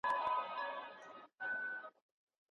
سياستپوهنه له لرغونو زمانو راهيسې وده کړې ده.